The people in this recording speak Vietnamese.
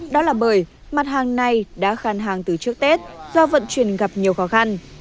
đó là bởi mặt hàng này đã khan hàng từ trước tết do vận chuyển gặp nhiều khó khăn